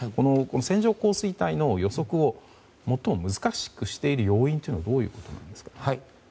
線状降水帯の予測を最も難しくしている要因はどういうことですか？